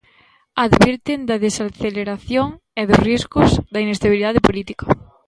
Advirten da desaceleración e dos riscos da inestabilidade política.